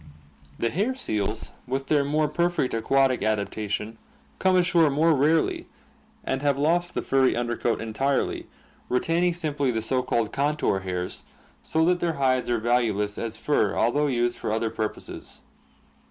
The hair seals with their more perfect aquatic adaptation come ashore more rarely and have lost the furry under coat entirely, retaining simply the so called contour hairs, so that their hides are valueless as fur al though used for other purposes.